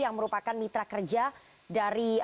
yang merupakan mitra kerja dari